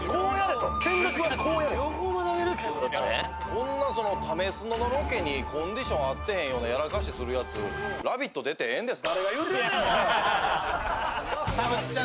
こんな「ためスノ」のロケに、コンディション悪くてなんてやらかしするようなやつ「ラヴィット！」出てええんですか？